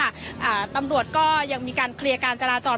เป็นที่เรียบร้อยแล้วค่ะอ่าตำรวจก็ยังมีการเคลียร์การจราจร